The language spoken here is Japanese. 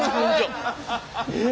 えっ？